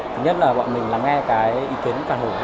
thứ nhất là bọn mình lắng nghe cái ý kiến